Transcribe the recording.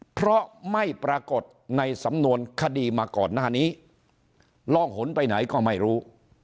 เพราะไม่ปรากฏในสำนวนคดีมาก่อนหน้านี้ล่องหนไปไหนก็ไม่รู้